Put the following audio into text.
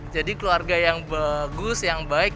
jadi keluarga yang bagus yang baik